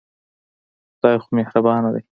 خدای خو مهربانه دی.